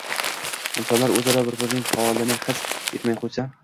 – insonlar o‘zaro bir-birining holini his etmay qo‘ysa